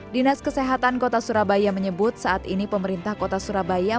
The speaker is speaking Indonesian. dinas kesehatan kota surabaya menyebut saat ini pemerintah kota surabaya